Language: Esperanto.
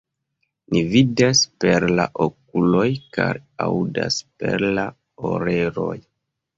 Ni vidas per la okuloj kaj aŭdas perla oreloj.